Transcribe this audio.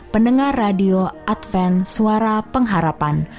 pendengar radio advent suara pengharapan